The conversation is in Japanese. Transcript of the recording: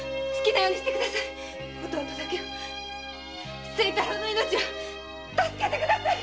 ただ弟だけは清太郎の命は助けてください！